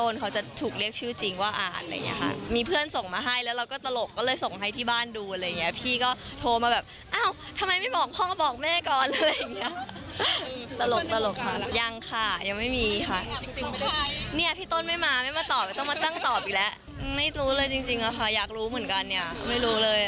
อยากรู้นี่คือรอมาพออะไรยังไง